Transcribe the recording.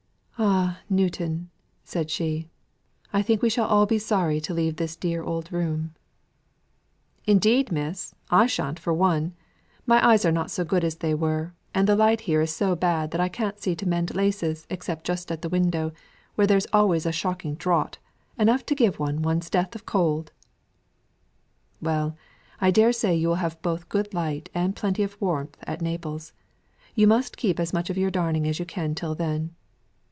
"Ah Newton!" said she, "I think we shall all be sorry to leave this dear old room." "Indeed, miss, I shan't for one. My eyes are not so good as they were, and the light here is so bad that I can't see to mend laces except just at the window, where there's always a shocking draught enough to give one one's death of cold." "Well, I dare say you will have both good light and plenty of warmth at Naples. You must keep as much of your darning as you can till then.